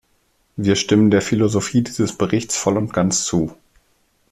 Wir stimmen der Philosophie dieses Berichts voll und ganz zu.